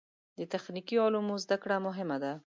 د تخنیکي علومو زده کړه مهمه ده.